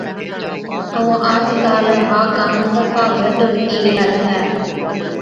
ائُون آج ڪاله ها ڪام صفا گھٽ هُتِي گيلا ڇَي،